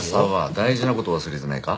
大事な事忘れてないか？